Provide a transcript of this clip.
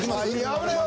危ないよ！